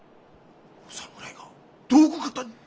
お侍が道具方に！？